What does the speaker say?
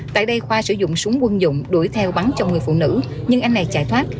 tại đây khoa sử dụng súng quân dụng đuổi theo bắn trong người phụ nữ nhưng anh này chạy thoát